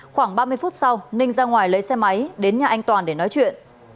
khoảng ba mươi phút sau ninh ra ngoài lấy xe máy đến nhà anh toàn để nói chuyện